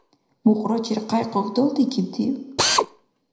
Мукърачир къяйк-къуйк далдикибтив?